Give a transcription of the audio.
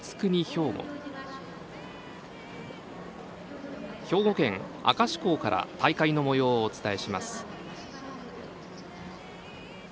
兵庫県明石港から大会のもようをお伝えします。